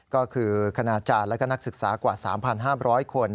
ก็คือคณาจารย์และก็นักศึกษากว่า๓๕๐๐คน